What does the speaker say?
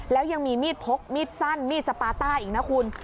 แล้วยังมีมีดพกมีดสั้นมีดสปาต้าอีกนะคุณ